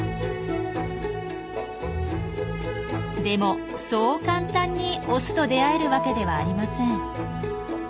でもそう簡単にオスと出会えるわけではありません。